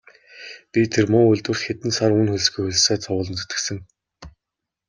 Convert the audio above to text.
Би тэр муу үйлдвэрт хэдэн сар үнэ хөлсгүй хөлсөө цувуулан зүтгэсэн.